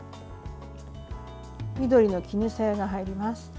緑の絹さやが入ります。